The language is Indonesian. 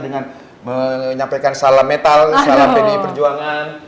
dengan menyampaikan salam metal salam pdi perjuangan